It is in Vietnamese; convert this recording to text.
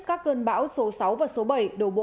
các cơn bão số sáu và số bảy đổ bộ